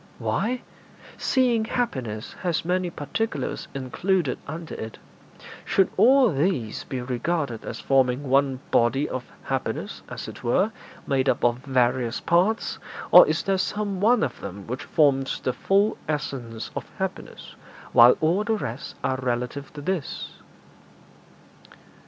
'Why, seeing happiness has many particulars included under it, should all these be regarded as forming one body of happiness, as it were, made up of various parts, or is there some one of them which forms the full essence of happiness, while all the rest are relative to this?'